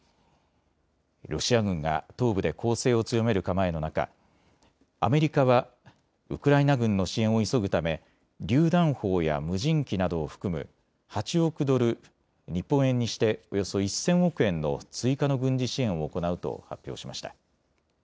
ロシア軍が東部で攻勢を強める構えの中、アメリカはウクライナ軍の支援を急ぐためりゅう弾砲や無人機などを含む８億ドル、日本円にしておよそ１０００億円の追加の軍事支援を行うと発表しました。